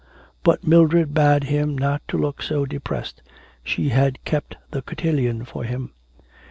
But Mildred bade him not to look so depressed, she had kept the cotillion for him.